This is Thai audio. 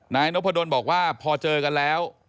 นายนพดลบอกว่าพอเจอกันแล้ว